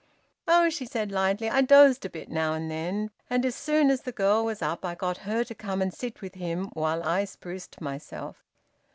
"Oh," she said lightly, "I dozed a bit now and then. And as soon as the girl was up I got her to come and sit with him while I spruced myself."